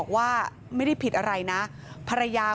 กลับมารับทราบ